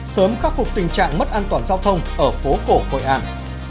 sớm khắc phục tình trạng mất an toàn giao thông ở phố cổ hội an